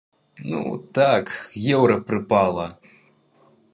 Ну так, еўра прыпала.